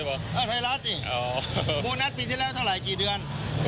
โบนัสปีนี้ที่แล้วเท่าไหร่กี่เดือน